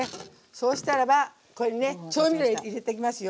そうしたらばこれにね調味料入れていきますよ。